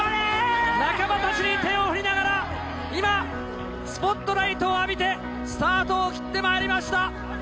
仲間たちに手を振りながら、今、スポットライトを浴びて、スタートを切ってまいりました。